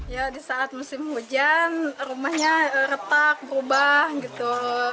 ya di saat musim hujan rumahnya retak berubah gitu